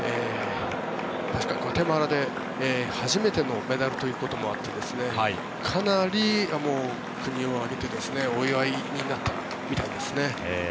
確かグアテマラで初めてのメダルということもあってかなり国を挙げてお祝いになったみたいですね。